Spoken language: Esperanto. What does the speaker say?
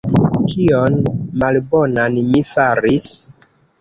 Kion malbonan mi faris?